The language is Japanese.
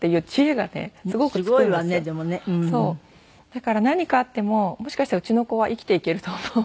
だから何かあってももしかしたらうちの子は生きていけると思う。